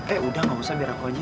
eh udah gak usah biar aku aja